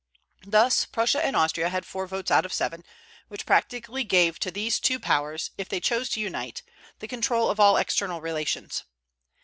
Thus, Prussia and Austria had four votes out of seven; which practically gave to these two powers, if they chose to unite, the control of all external relations.